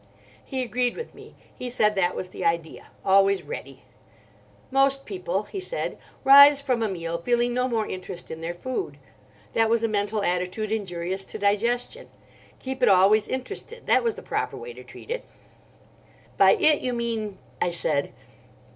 He agreed with me. He said that was the idea—always ready. "Most people," he said, "rise from a meal feeling no more interest in their food. That was a mental attitude injurious to digestion. Keep it always interested; that was the proper way to treat it." "By 'it' you mean ...?" I said.